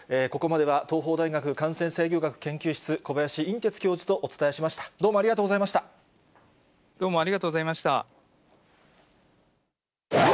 ここまでは東邦大学感染制御学研究室、小林寅てつ教授とお伝えしました。